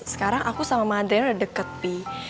sekarang aku sama mama adriana udah deket pi